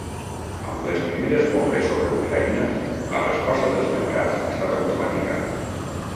Amb les primeres bombes sobre Ucraïna, la resposta dels mercats ha estat automàtica.